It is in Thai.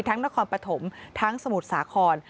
นครปฐมทั้งสมุทรสาคร